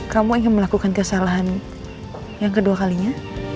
kamu ingin melakukan kesalahan yang kedua kalinya